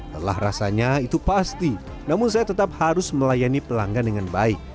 lelah rasanya itu pasti namun saya tetap harus melayani pelanggan dengan baik